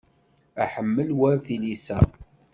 Aḥemmel war tilisa.